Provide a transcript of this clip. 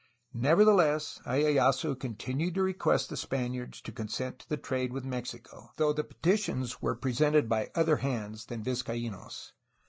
Nevertheless, lyeyasu continued to request the Spaniards to consent to the trade with Mexico, though the petitions were pre sented by other hands than Vizcaino's.